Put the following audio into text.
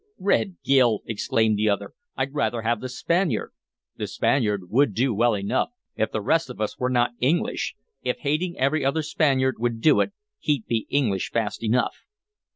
"Red Gil!" exclaimed the other. "I'd rather have the Spaniard!" "The Spaniard would do well enough, if the rest of us were n't English. If hating every other Spaniard would do it, he'd be English fast enough."